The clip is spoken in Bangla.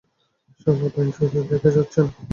শালা বাইঞ্চোদদের দেখাই যাচ্ছে না!